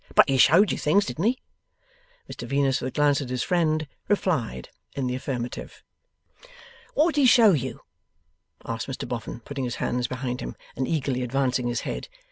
'But he showed you things; didn't he?' Mr Venus, with a glance at his friend, replied in the affirmative. 'What did he show you?' asked Mr Boffin, putting his hands behind him, and eagerly advancing his head.